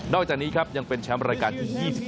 จากนี้ครับยังเป็นแชมป์รายการที่๒๓